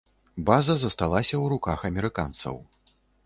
База засталася ў руках амерыканцаў.